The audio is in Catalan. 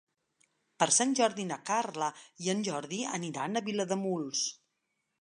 Per Sant Jordi na Carla i en Jordi aniran a Vilademuls.